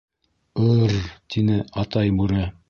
— Ы-ы-р!.. — тине Атай Бүре.